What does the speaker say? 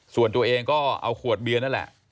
ส่วนตัวเองก็เอาขวดเบียร์นั่นแหละ